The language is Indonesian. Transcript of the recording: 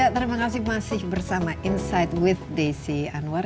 terima kasih masih bersama insight with desi anwar